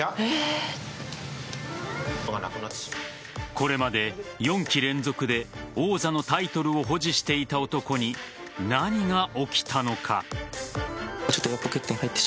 これまで４期連続で王座のタイトルを保持していた男に何が起きたのか。